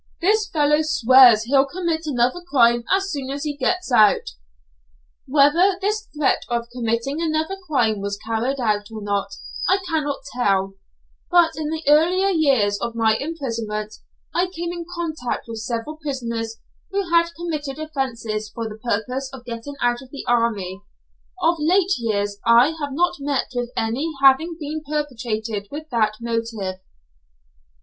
This fellow swears he'll commit another crime as soon as he gets out!" Penal servitude. Whether this threat of committing another crime was carried out or not I cannot tell, but in the earlier years of my imprisonment I came in contact with several prisoners who had committed offences for the purpose of getting out of the army. Of late years I have not met with any having been perpetrated with that motive.